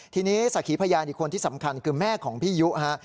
ทีนี้สักขีพยานอีกคนที่สำคัญคือแม่ของพี่ยุฮะ